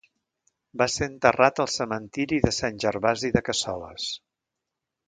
Va ser enterrat al cementiri de Sant Gervasi de Cassoles.